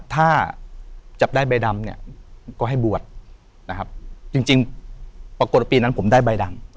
ถ้าจับได้ใบดำเนี่ยก็ให้บวชนะครับจริงปรากฏว่าปีนั้นผมได้ใบดำ